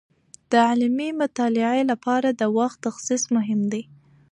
د علمي مطالعې لپاره د وخت تخصیص مهم دی.